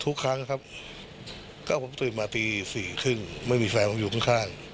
ทุกครั้งครับก็ผมตื่นมาตีสี่ครึ่งไม่มีแฟนผมอยู่ข้าง